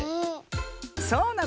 そうなのね。